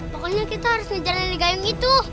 pokoknya kita harus ngejar nani gayung itu